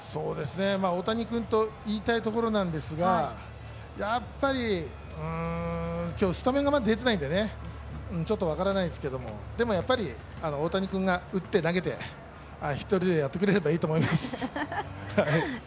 大谷君と言いたいところなんですが、やっぱり今日、スタメンが出てないんでちょっと分からないんですけどでも、大谷君が打って、投げて１人でくれればいいと思います。